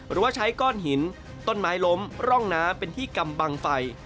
หรือว่าใช้ก้อนหินต้นไม้ล้มร่องน้ำเป็นที่กำบังไฟ